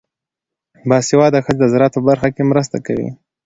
باسواده ښځې د زراعت په برخه کې مرسته کوي.